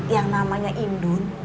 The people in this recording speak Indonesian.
yang namanya indun